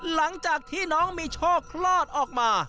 หลังจากที่น้องมีโชคคลอดออกมา